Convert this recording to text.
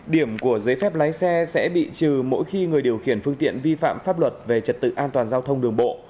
điểm của giấy phép lái xe sẽ bị trừ mỗi khi người điều khiển phương tiện vi phạm pháp luật về trật tự an toàn giao thông đường bộ